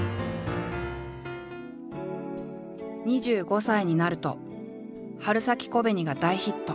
２５歳になると「春咲小紅」が大ヒット。